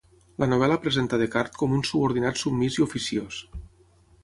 La novel·la presenta Deckard com un subordinat submís i oficiós.